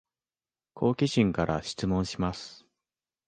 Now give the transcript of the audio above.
好奇心から質問します